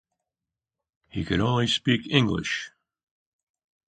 He could only speak English.